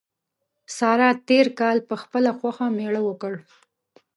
سارا تېر کال په خپله خوښه مېړه وکړ.